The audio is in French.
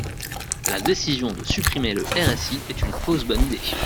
La décision de supprimer le RSI est une fausse bonne idée.